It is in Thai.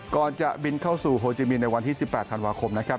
ก่อนจะบินเข้าสู่โฮจิมินในวันที่๑๘ธันวาคมนะครับ